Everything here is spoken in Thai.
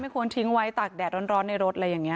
ไม่ควรทิ้งไว้ตากแดดร้อนในรถอะไรเหมือนนี้